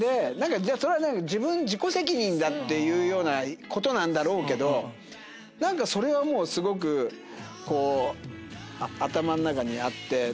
それは自己責任だっていうようなことなんだろうけど何かそれはもうすごくこう頭の中にあって。